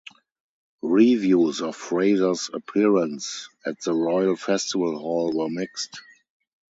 Reviews of Fraser's appearance at the Royal Festival Hall were mixed.